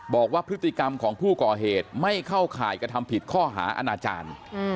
บอกว่าพฤติกรรมของผู้ก่อเหตุไม่เข้าข่ายกระทำผิดข้อหาอาณาจารย์